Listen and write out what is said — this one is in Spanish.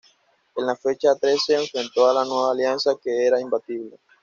En la fecha trece enfrento a "La Nueva Alianza" que era imbatible.